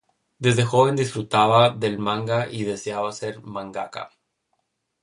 Desde joven disfrutaba del manga y deseaba ser mangaka.